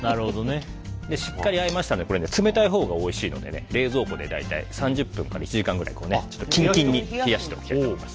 しっかりあえましたら冷たいほうがおいしいので冷蔵庫で大体３０分から１時間くらいキンキンに冷やしておきたいと思います。